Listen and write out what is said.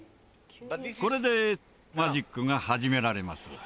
これでマジックが始められます。